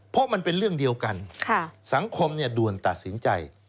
เพราะมันเป็นเรื่องเดียวกันสังคมด่วนตัดสินใจ